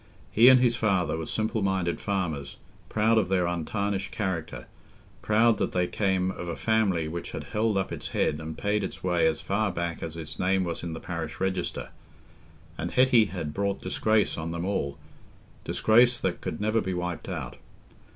He and his father were simple minded farmers, proud of their untarnished character, proud that they came of a family which had held up its head and paid its way as far back as its name was in the parish register; and Hetty had brought disgrace on them all—disgrace that could never be wiped out.